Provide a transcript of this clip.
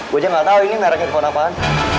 gue aja gak tahu ini merek handphone apaan